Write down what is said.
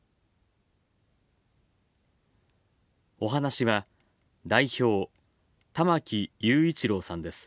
お話しは、代表玉木雄一郎さんです。